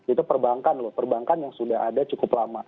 itu perbankan loh perbankan yang sudah ada cukup lama